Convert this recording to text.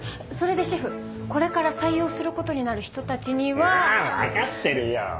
それでシェフこれから採用することになる人たちには。ああ分かってるよ！